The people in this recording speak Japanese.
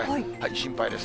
心配です。